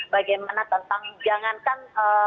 bagaimana tentang jangankan